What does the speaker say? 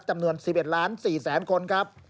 จำนวน๑๑๔๐๐๐๐๐คนครับ